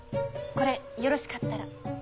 これよろしかったら。